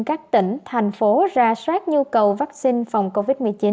các tỉnh thành phố ra soát nhu cầu vaccine phòng covid một mươi chín